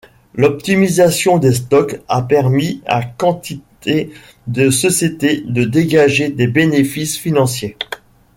L’optimisation des stocks a permis à quantité de sociétés de dégager des bénéfices financiers.